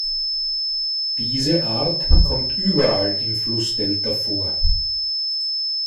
Diese Art kommt überall im Flussdelta vor.